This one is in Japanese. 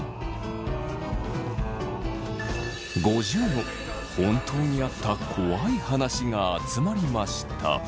５０の本当にあった怖い話が集まりました。